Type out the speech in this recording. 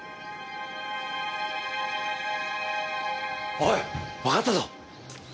おいわかったぞ！